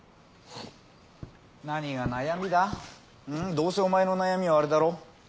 どうせお前の悩みはあれだろう？